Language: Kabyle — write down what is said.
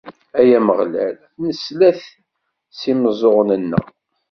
Ay Ameɣlal, nesla-t s yimeẓẓuɣen-nneɣ!